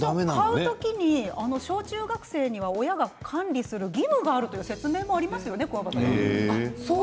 買う時に小中学生には親が管理する義務があるという説明もありますよね。